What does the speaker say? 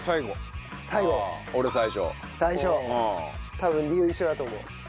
多分理由一緒だと多う。